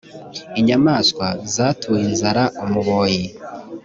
inyamaswa zatuye inzara umuboyi